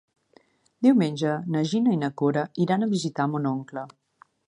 Diumenge na Gina i na Cora iran a visitar mon oncle.